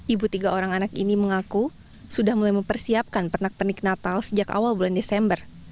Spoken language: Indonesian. ibu tiga orang anak ini mengaku sudah mulai mempersiapkan pernak pernik natal sejak awal bulan desember